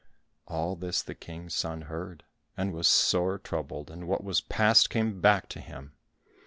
All this the King's son heard, and was sore troubled, and what was past came back to him.